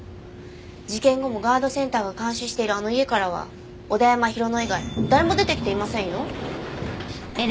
事件後もガードセンターが監視しているあの家からは小田山浩乃以外誰も出てきていませんよ。